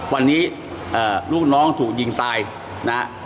วันนี้ลูกน้องถูกยิงตายนะฮะ